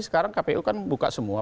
sekarang kpu kan buka semua